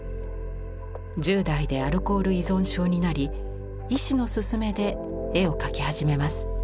１０代でアルコール依存症になり医師の勧めで絵を描き始めます。